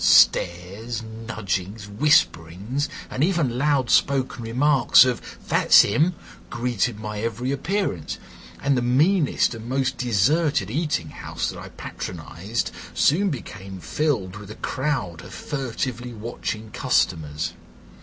Stares, nudgings, whisperings, and even loud spoken remarks of 'that's 'im' greeted my every appearance, and the meanest and most deserted eating house that I patronised soon became filled with a crowd of furtively watching customers.